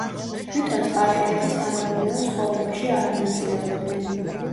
თვითონ სპარტელები სამეურნეო ცხოვრებაში არ მონაწილეობდნენ.